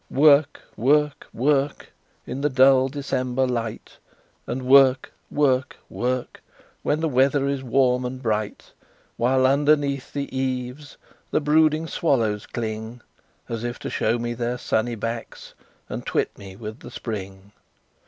"Work work work, In the dull December light, And work work work, When the weather is warm and bright While underneath the eaves The brooding swallows cling As if to show me their sunny backs And twit me with the spring.